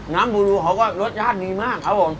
บูรูเขาก็รสชาติดีมากครับผม